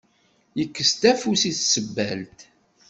Yekkes-d afus i tsebbalt.